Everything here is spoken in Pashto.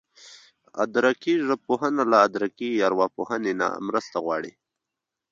ادراکي ژبپوهنه له ادراکي ارواپوهنې نه مرسته غواړي